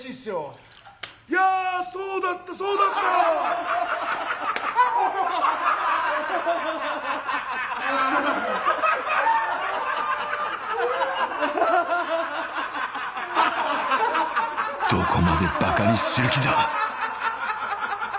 いやそうだったそうだったどこまでバカにする気だ！